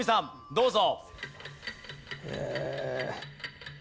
どうぞ。